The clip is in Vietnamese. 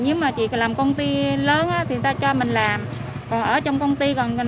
nhưng mà chị làm công ty lớn